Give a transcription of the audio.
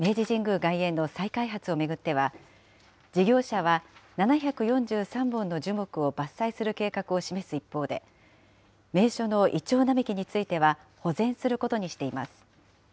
外苑の再開発を巡っては、事業者は、７４３本の樹木を伐採する計画を示す一方で、名所のイチョウ並木については保全することにしています。